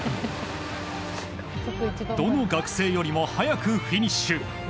どの学生よりも速くフィニッシュ。